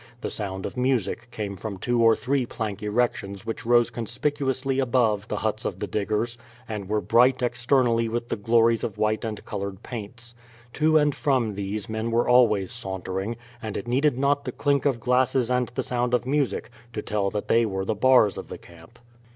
The sound of music came from two or three plank erections which rose conspicuously above the huts of the diggers, and were bright externally with the glories of white and colored paints. To and from these men were always sauntering, and it needed not the clink of glasses and the sound of music to tell that they were the bars of the camp.